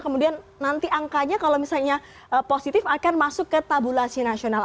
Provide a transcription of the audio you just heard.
kemudian nanti angkanya kalau misalnya positif akan masuk ke tabulasi nasional